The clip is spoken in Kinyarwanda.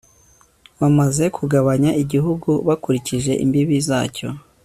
bamaze kugabanya igihugu bakurikije imbibi zacyo